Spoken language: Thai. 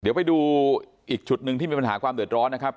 เดี๋ยวไปดูอีกจุดหนึ่งที่มีปัญหาความเดือดร้อนนะครับ